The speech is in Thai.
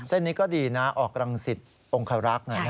เส้นนี้ก็ดีนะออกรังสิตองคารักษ์